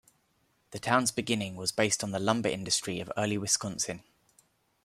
The town's beginning was based on the lumber industry of early Wisconsin.